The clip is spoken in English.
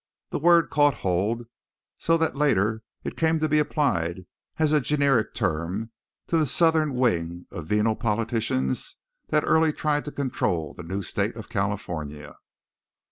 The word caught hold; so that later it came to be applied as a generic term to the Southern wing of venal politicians that early tried to control the new state of California.